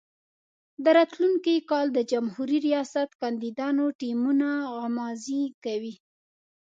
د راتلونکي کال د جمهوري ریاست کاندیدانو ټیمونه غمازي کوي.